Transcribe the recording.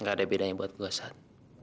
gak ada bedanya buat gue sat